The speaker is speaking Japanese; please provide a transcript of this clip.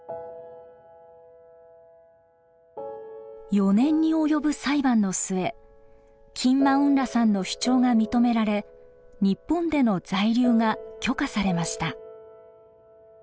４年に及ぶ裁判の末キン・マウン・ラさんの主張が認められ日本での在留が許可されました。